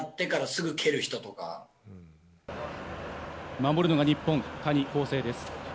守るのは日本、谷晃生です。